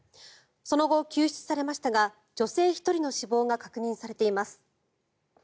その後、救出されましたが女性１人の死亡が確認されています。